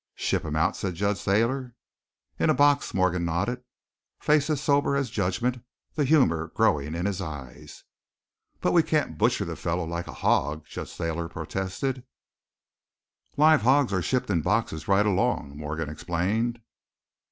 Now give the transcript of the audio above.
"Ship him out?" said Judge Thayer. "In a box," Morgan nodded, face as sober as judgment, the humor growing in his eyes. "But we can't butcher the fellow like a hog!" Judge Thayer protested. "Live hogs are shipped in boxes, right along," Morgan explained.